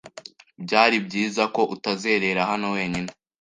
Byari byiza ko utazerera hano wenyine.